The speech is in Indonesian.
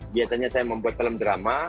biasanya saya membuat film drama